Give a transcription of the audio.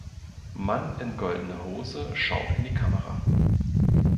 Mann in goldener Hose schaut in die Kamera.